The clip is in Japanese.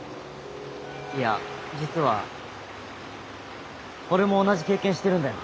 いや実は俺も同じ経験してるんだよ